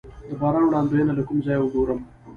د باران وړاندوینه له کوم ځای وګورم؟